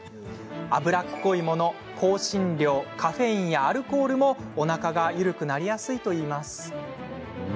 脂っこいもの、香辛料カフェインやアルコールもおなかが緩くなりやすいといいます。